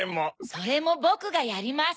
それもぼくがやります。